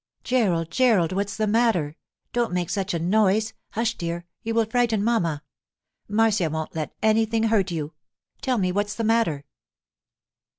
'Gerald, Gerald, what's the matter? Don't make such a noise. Hush, dear; you will frighten mamma. Marcia won't let anything hurt you. Tell me what's the matter.